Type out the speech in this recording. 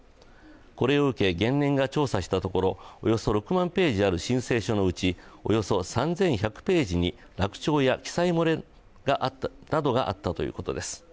これを受け原燃が調査したところ、およそ６万ページある申請書のうちおよそ３１００ページに落丁や記載漏れなどがあったということです。